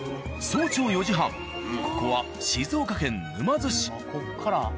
早朝４時半ここは静岡県沼津市。